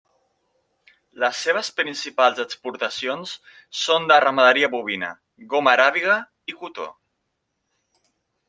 Les seves principals exportacions són de ramaderia bovina, goma aràbiga i cotó.